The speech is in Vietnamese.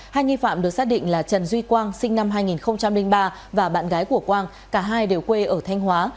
hai nghi phạm được xác định là trần duy quang sinh năm hai nghìn ba và bạn gái của quang cả hai đều quê ở thanh hóa